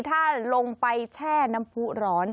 ถ้าลงไปแช่น้ำผู้ร้อน